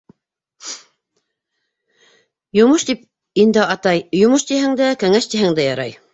— Йомош тип инде, атай, йомош тиһәң дә, кәңәш тиһәң дә ярай.